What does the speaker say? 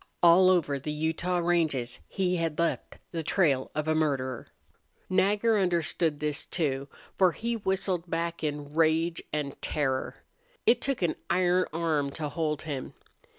All over the Utah ranges he had left the trail of a murderer. Nagger understood this, too, for he whistled back in rage and terror. It took an iron arm to hold him.